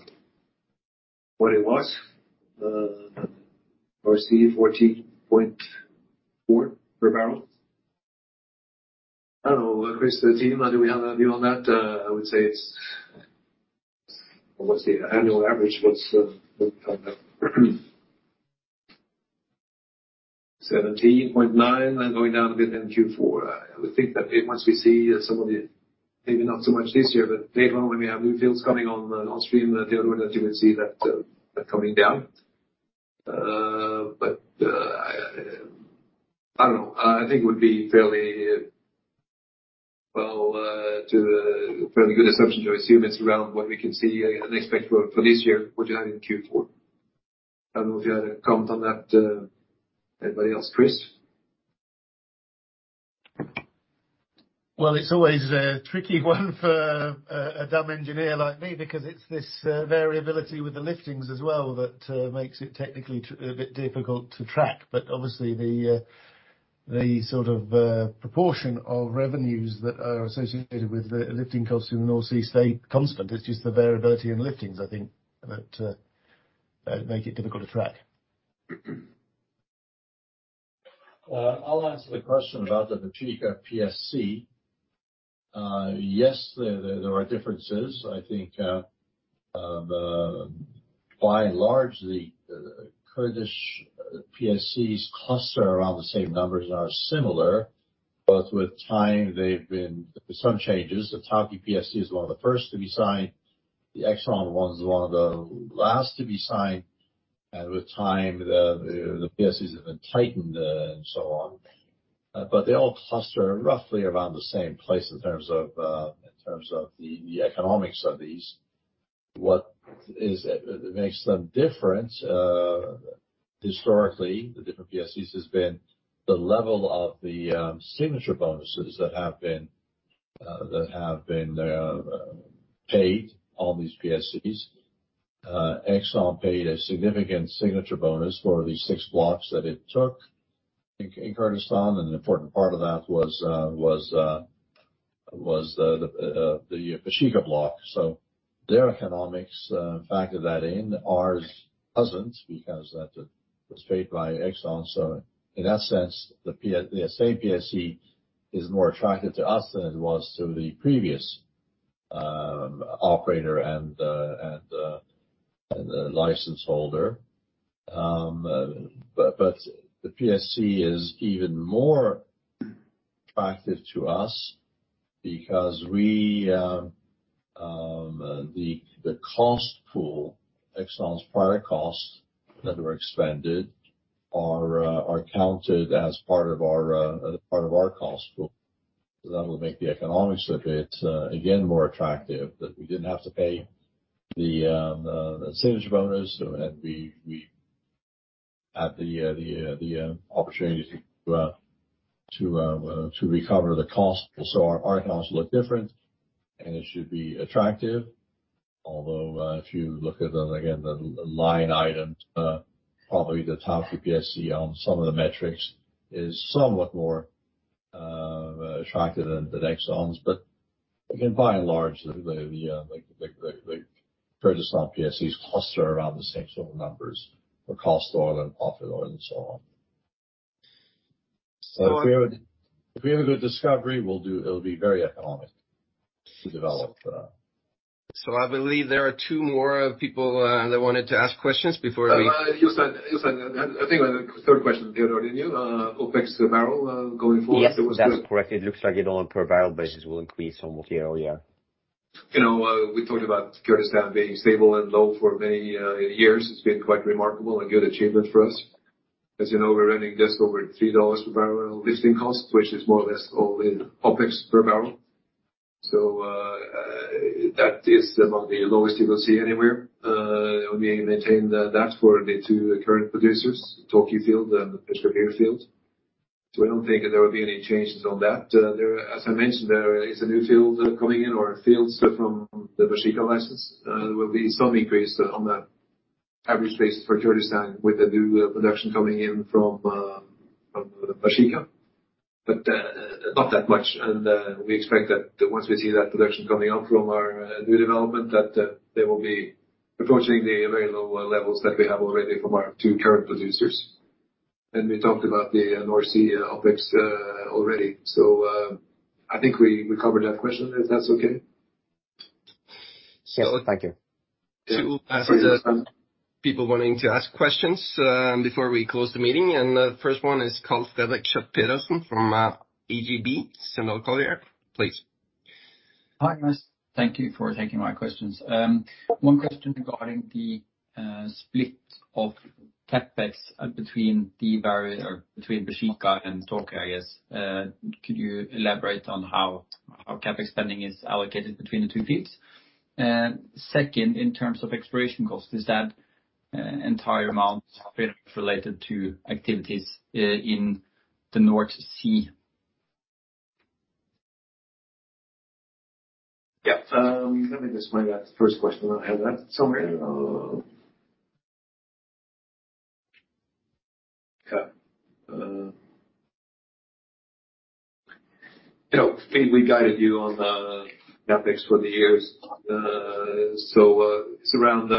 what it was. RC 14.4 per barrel. I don't know, Chris, the team, do we have a view on that? I would say it's. What's the annual average was, when we count that? 17.9 and going down a bit in Q4. I would think that once we see some of the, maybe not so much this year, but later on when we have new fields coming on stream, the other one that you will see that coming down. I don't know. I think it would be fairly well to a fairly good assumption to assume it's around what we can see and expect for this year, what you have in Q4. I don't know if you had a comment on that, anybody else? Chris? Well, it's always a tricky one for a dumb engineer like me because it's this variability with the liftings as well that makes it technically a bit difficult to track. Obviously the sort of proportion of revenues that are associated with the lifting costs in the North Sea stay constant. It's just the variability in liftings, I think that make it difficult to track. I'll answer the question about the Baeshiqa PSC. Yes, there are differences. I think, by and large, the Kurdish PSCs cluster around the same numbers are similar, but with time they've been some changes. The Tawke PSC is one of the first to be signed. The ExxonMobil one's one of the last to be signed. With time, the PSCs have been tightened, and so on. They all cluster roughly around the same place in terms of the economics of these. What makes them different, historically, the different PSCs has been the level of the signature bonuses that have been paid on these PSCs. ExxonMobil paid a significant signature bonus for the six blocks that it took in Kurdistan, and an important part of that was the Baeshiqa block. Their economics factored that in. Ours hasn't because that was paid by ExxonMobil. In that sense, the same PSC is more attractive to us than it was to the previous operator and the license holder. The PSC is even more attractive to us because the cost pool, ExxonMobil's prior costs that were expended are counted as part of our cost pool. That will make the economics a bit again more attractive. We didn't have to pay the signature bonus, and we had the opportunity to recover the cost. Our accounts look different, and it should be attractive. Although, if you look at them again, the line items, probably the top PSC on some of the metrics is somewhat more attractive than ExxonMobil's. Again, by and large, the Kurdistan PSCs cluster around the same sort of numbers for cost oil and profit oil and so on. So If we have a good discovery, it'll be very economic to develop. I believe there are two more people that wanted to ask questions before we Jostein Løvås, I think the third question, Teodor Sveen-Nilsen, in your OpEx per barrel going forward. Yes, that's correct. It looks like it on a per barrel basis will increase somewhat year-over-year. You know, we talked about Kurdistan being stable and low for many years. It's been quite remarkable and good achievement for us. As you know, we're running just over $3 per barrel lifting cost, which is more or less all in OpEx per barrel. That is among the lowest you will see anywhere. We maintain that for the two current producers, Tawke field and Peshkabir field. I don't think there will be any changes on that. There, as I mentioned, there is a new field coming in or fields from the Baeshiqa license. There will be some increase on the average basis for Kurdistan with the new production coming in from Baeshiqa, but not that much. We expect that once we see that production coming on from our new development, that they will be approaching the very low levels that we have already from our two current producers. We talked about the North Sea OpEx already. I think we covered that question, if that's okay. Yes, thank you. Two people wanting to ask questions before we close the meeting. The first one is Fredrik Schjøtt-Pedersen from ABG Sundal Collier. Please. Hi guys. Thank you for taking my questions. One question regarding the split of CapEx between Baeshiqa or between Peshkabir and Tawke, I guess. Could you elaborate on how CapEx spending is allocated between the two fields? And second, in terms of exploration costs, is that entire amount related to activities in the North Sea? Yeah. Let me just find that first question. I have that somewhere. You know, I think we guided you on the CapEx for the years. It's around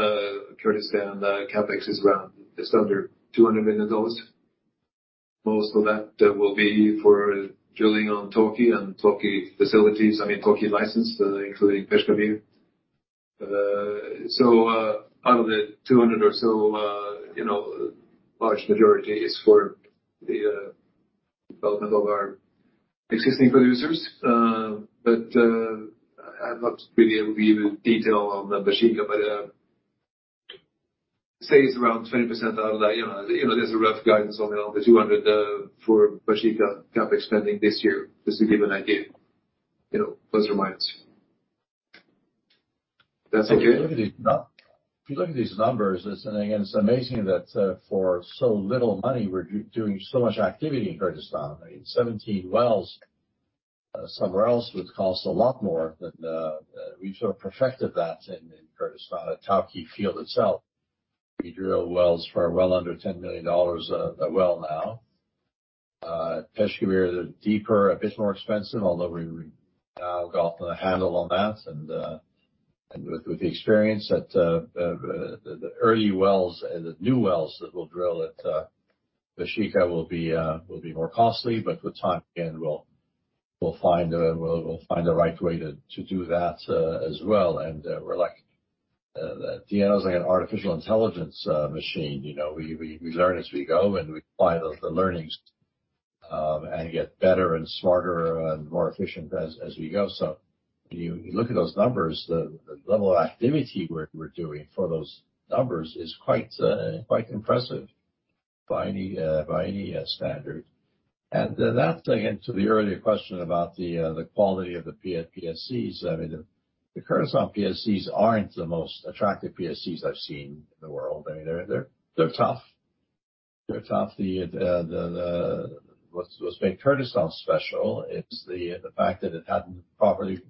Kurdistan CapEx is around just under $200 million. Most of that will be for drilling on Tawke and Tawke facilities, I mean, Tawke license, including Peshkabir. Out of the $200 or so, you know, large majority is for the development of our existing producers. I'm not really able to give you detail on the Baeshiqa, but say it's around 20% out of that. You know, there's a rough guidance on the $200 for Baeshiqa CapEx spending this year, just to give an idea. You know, plus or minus. That's okay. If you look at these numbers, it's amazing that, for so little money we're doing so much activity in Kurdistan. I mean, 17 wells somewhere else would cost a lot more than we sort of perfected that in Kurdistan at Tawke field itself. We drill wells for well under $10 million a well now. Peshkabir is deeper, a bit more expensive, although we now got the handle on that and with the experience that the early wells and the new wells that we'll drill at Peshkabir will be more costly, but with time, again, we'll find the right way to do that as well. We're like DNO's like an artificial intelligence machine. You know, we learn as we go, and we apply the learnings and get better and smarter and more efficient as we go. When you look at those numbers, the level of activity we're doing for those numbers is quite impressive by any standard. That's again to the earlier question about the quality of the PSCs. I mean, the Kurdistan PSCs aren't the most attractive PSCs I've seen in the world. I mean, they're tough. They're tough. What's made Kurdistan special, it's the fact that it hadn't properly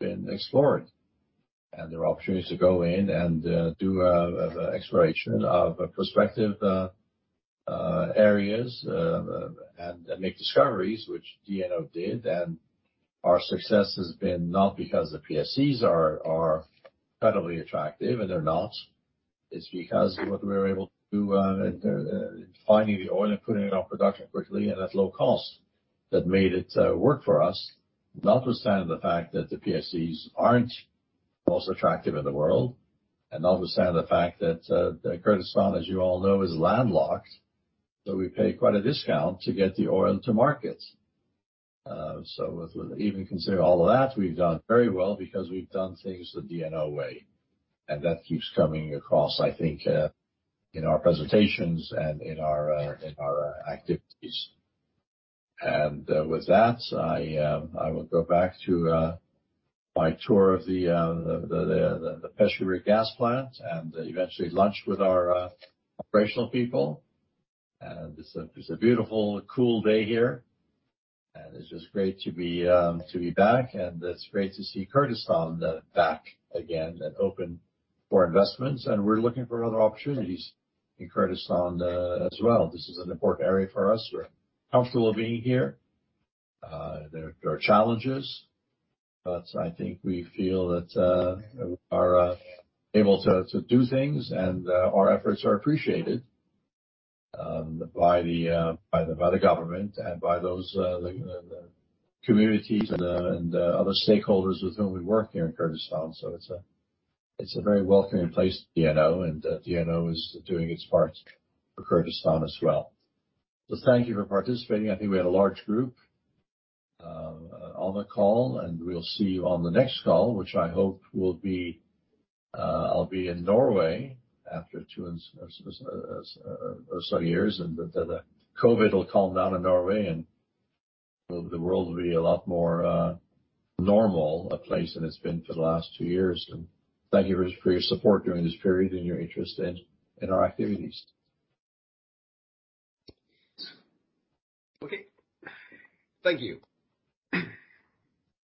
been explored. There are opportunities to go in and do the exploration of prospective areas and make discoveries, which DNO did. Our success has been not because the PSCs are incredibly attractive, and they're not. It's because what we were able to do in finding the oil and putting it on production quickly and at low cost that made it work for us. Notwithstanding the fact that the PSCs aren't the most attractive in the world, and notwithstanding the fact that Kurdistan, as you all know, is landlocked, so we pay quite a discount to get the oil to market. Even considering all of that, we've done very well because we've done things the DNO way, and that keeps coming across, I think, in our presentations and in our activities. With that, I will go back to my tour of the Peshkabir gas plant and eventually lunch with our operational people. It's a beautiful, cool day here, and it's just great to be back, and it's great to see Kurdistan back again and open for investments. We're looking for other opportunities in Kurdistan as well. This is an important area for us. We're comfortable being here. There are challenges, but I think we feel that we are able to do things, and our efforts are appreciated by the government and by the communities and other stakeholders with whom we work here in Kurdistan. It's a very welcoming place to DNO, and DNO is doing its part for Kurdistan as well. Thank you for participating. I think we had a large group on the call, and we'll see you on the next call, which I hope will be, I'll be in Norway after 2 or some years, and that, COVID will calm down in Norway and the world will be a lot more normal a place than it's been for the last 2 years. Thank you for your support during this period and your interest in our activities. Okay. Thank you.